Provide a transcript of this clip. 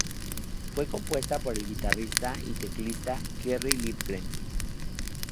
Fue compuesta por el guitarrista y teclista Kerry Livgren.